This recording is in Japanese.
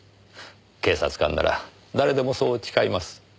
警察官なら誰でもそう誓います。